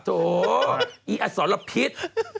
โถอีอสรพิษ